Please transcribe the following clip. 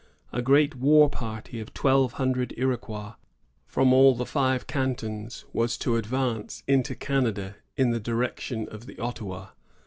A great war party of twelve hundred Iroquois from all the five cantons was to advance into Canada in the direction of the Ottawa.